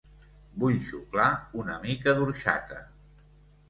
Vull xuclar una mica d'orxata